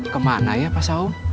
kemana ya pak saum